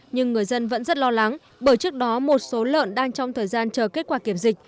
nhưng người dân vẫn rất lo lắng bởi trước đó một số lợn đang trong thời gian chờ kết quả kiểm dịch